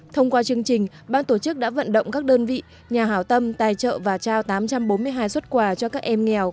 thông qua chương trình ban tổ chức đã vận động các đơn vị nhà hảo tâm tài trợ và trao tám trăm bốn mươi hai xuất quà cho các em nghèo